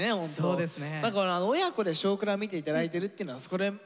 そうですね。